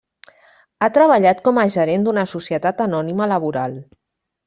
Ha treballat com a gerent d'una societat anònima laboral.